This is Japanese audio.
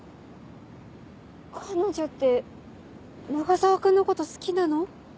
彼女って永沢君のこと好きなの？